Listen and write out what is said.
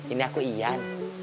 ini aku yan